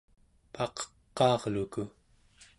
paqeqaarluku